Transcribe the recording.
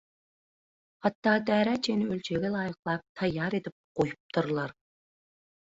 hatda därä çenli ölçege laýyklap taýýar edip goýupdyrlar.